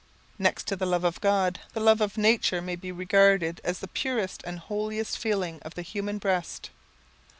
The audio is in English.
Next to the love of God, the love of nature may be regarded as the purest and holiest feeling of the human breast.